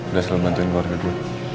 udah selalu bantuin keluarga dulu